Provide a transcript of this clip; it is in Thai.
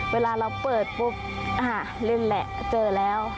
เวลาเราเปิดปุ๊บเล่นแหละก็เจอแล้ว